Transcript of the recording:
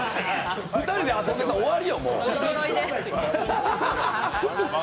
２人で遊んでたら終わりよ、もう。